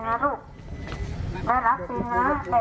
แม่รักจริงแม่อยากรู้จัก